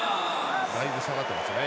だいぶ下がってますね